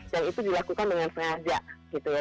dan itu dilakukan dengan sengaja gitu ya